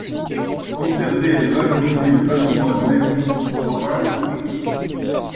Conserver et valoriser le patrimoine linguistique oral ou écrit.